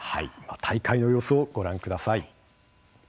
大会の様子をご覧ください。